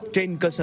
trên cơ sở